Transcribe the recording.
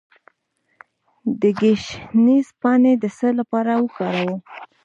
د ګشنیز پاڼې د څه لپاره وکاروم؟